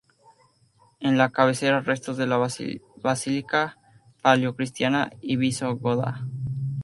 En la cabecera, restos de la basílica paleocristiana y visigoda.